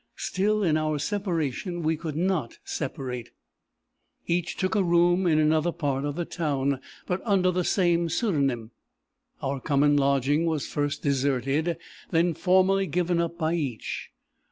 Still in our separation we could not separate. Each took a room in another part of the town, but under the same pseudonym. Our common lodging was first deserted, then formally given up by each.